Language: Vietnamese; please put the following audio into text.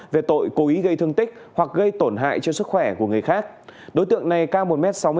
về tội cố ý gây thương tích hoặc gây tổn hại cho sức khỏe của người khác đối tượng này cao một m sáu mươi